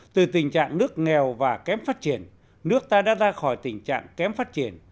từ tình trạng nước nghèo và kém phát triển nước ta đã ra khỏi tình trạng kém phát triển